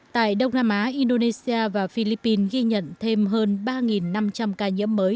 tại đông nam á indonesia và philippines ghi nhận thêm hơn ba năm trăm linh ca nhiễm mới